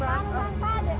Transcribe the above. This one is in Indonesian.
hai bagaimana lewat